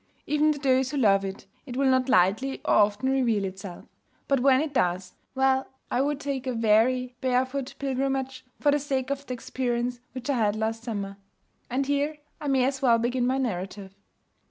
Even to those who love it, it will not lightly or often reveal itself. But when it does well, I would take a weary, barefoot pilgrimage for the sake of the experience which I had last summer. And here I may as well begin my narrative.